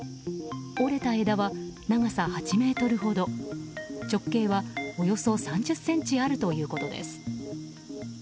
折れた枝は長さ８ｍほど直径はおよそ３０ｃｍあるということです。